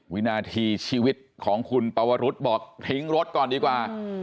วินาทีชีวิตของคุณปวรุษบอกทิ้งรถก่อนดีกว่า